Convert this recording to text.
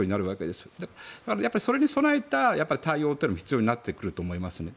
だから、それに備えた対応というのも必要になってくると思いますね。